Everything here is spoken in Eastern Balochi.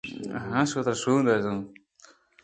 باز جوانکاف ءَ گوٛشتہچ چوشیں گپے نیست کہ پسو بہ لوٹیت